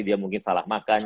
dia mungkin salah makan